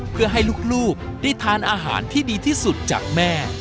เพื่อให้ลูกได้ทานอาหารที่ดีที่สุดจากแม่